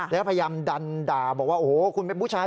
แล้วพยายามดันด่าบอกว่าโอ้โหคุณเป็นผู้ชาย